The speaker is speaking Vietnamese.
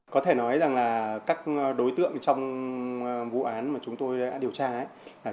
có thể nói rằng là các đối tượng trong vụ án mà chúng tôi đã điều tra